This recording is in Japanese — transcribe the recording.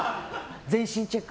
全身チェック？